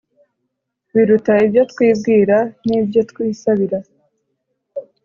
biruta ibyo twibwira n'ibyo twisabira.